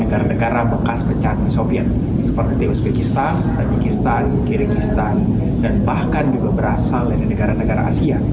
negara negara bekas pecahan soviet seperti di uzbekistanistan kyrgyzstan dan bahkan juga berasal dari negara negara asia